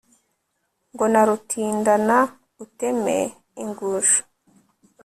ngo narutindana uteme ingusho